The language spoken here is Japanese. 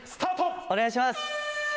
お願いします！